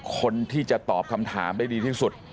คนที่จะตอบคำถามได้ดีที่สุด